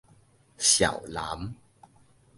召南